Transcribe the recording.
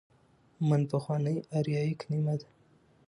من: پخوانۍ آریايي کليمه ده.